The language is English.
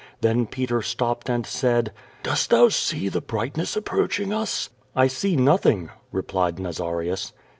Then Peter stopped and said: "Dost thou see the brightness approaching us?" "I see nothing," replied Nazarius.